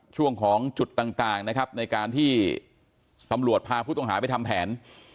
ช่วงของจุดต่างนะครับในการที่ตำรวจพาผู้ต้องหาไปทำแผน